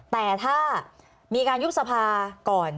แต่ถ้ามีการยุบสภาก่อน